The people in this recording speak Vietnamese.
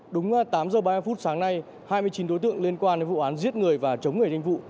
đúng tám h ba mươi phút sáng nay hai mươi chín đối tượng liên quan đến vụ án giết người và chống người thành công vụ